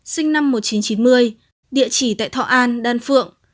sinh năm một nghìn chín trăm chín mươi địa chỉ tại thọ an đan phượng